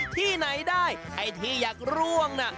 ที่ไหนได้ไอ้ที่อยากร่วงน่ะ